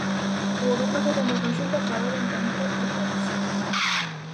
O Goberno que temos na Xunta traballa en contra do país.